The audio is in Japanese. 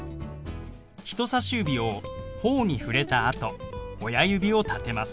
人さし指をほおに触れた後親指を立てます。